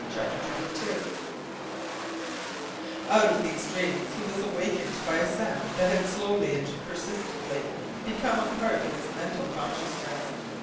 CHAPTER TWENTY TWO Out of these dreams he was awakened by a sound that had slowly and persistently become a part of his mental consciousness.